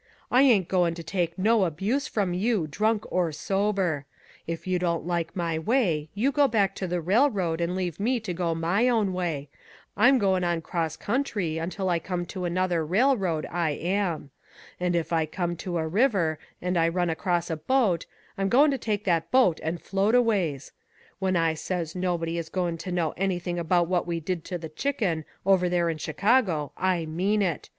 "I ain't goin' to take no abuse from you, drunk or sober. If you don't like my way, you go back to the railroad and leave me go my own way. I'm goin' on across country until I come to another railroad, I am. And if I come to a river, and I run across a boat, I'm goin' to take that boat and float a ways. When I says nobody is goin' to know anything about what we did to the Chicken, over there in Chicago, I mean it.